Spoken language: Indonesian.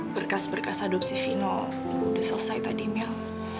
berkas berkas adopsi vino udah selesai tadi mil